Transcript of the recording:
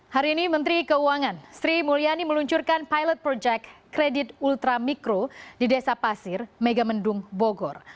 hari ini menteri keuangan sri mulyani meluncurkan pilot project kredit ultramikro di desa pasir megamendung bogor